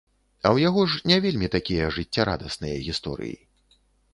А ў яго ж не вельмі такія жыццярадасныя гісторыі.